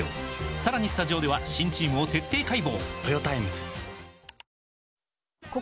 さらにスタジオでは新チームを徹底解剖！